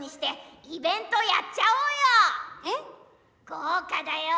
豪華だよ。